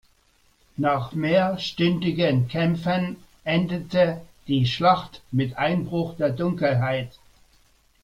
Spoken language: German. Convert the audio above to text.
Nach mehrstündigen Kämpfen endete die Schlacht mit Einbruch der Dunkelheit.